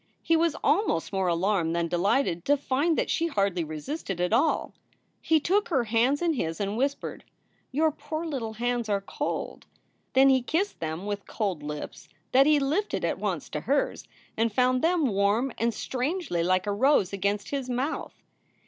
He was almost more alarmed than delighted to find that she hardly resisted at all. He took her hands in his and whispered, "Your poor little hands are cold!" Then he kissed them with cold lips that he lifted at once to hers and found them warm and strangely like a rose against his mouth.